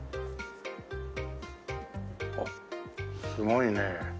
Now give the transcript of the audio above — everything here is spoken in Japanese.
あっすごいね。